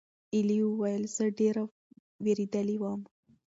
ایلي وویل: "زه ډېره وېرېدلې وم."